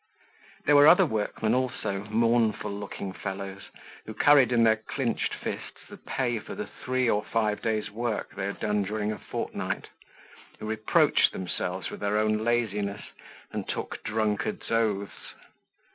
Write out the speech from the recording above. There were other workmen also, mournful looking fellows, who carried in their clinched fists the pay for the three or five days' work they had done during a fortnight, who reproached themselves with their own laziness, and took drunkards' oaths.